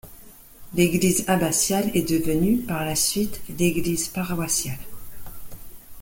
L'église abbatiale est devenue, par la suite, l'église paroissiale.